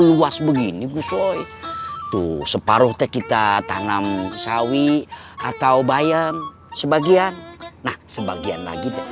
luas begini gus soy tuh separuh teh kita tanam sawi atau bayam sebagian nah sebagian lagi teh